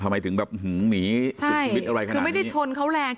ทำไมถึงแบบหื้มหนีใช่คือไม่ได้ชนเขาแรง